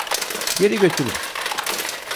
Geri götürün.